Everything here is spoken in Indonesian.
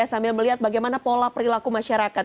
sambil melihat bagaimana pola perilaku masyarakat